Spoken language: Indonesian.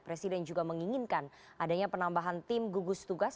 presiden juga menginginkan adanya penambahan tim gugus tugas